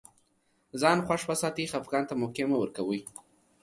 ځان خوښ وساتئ خفګان ته موقع مه ورکوی